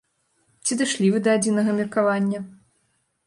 Ці дашлі вы да адзінага меркавання?